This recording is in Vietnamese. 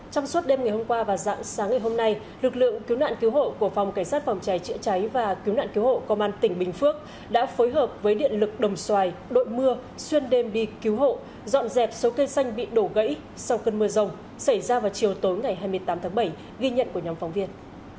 trong suốt đêm ngày hôm qua và dạng sáng ngày hôm nay lực lượng cứu nạn cứu hộ của phòng cảnh sát phòng cháy chữa cháy và cứu nạn cứu hộ công an tỉnh bình phước đã phối hợp với điện lực đồng xoài đội mưa xuyên đêm đi cứu hộ dọn dẹp số cây xanh bị đổ gãy sau cơn mưa rồng xảy ra vào chiều tối ngày hai mươi tám tháng bảy ghi nhận của nhóm phóng viên